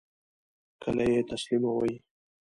کله یی تسلیموئ؟